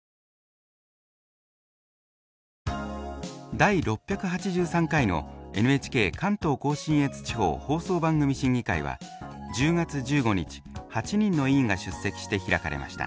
第６８３回のＮＨＫ関東甲信越地方放送番組審議会は１０月１５日８人の委員が出席して開かれました。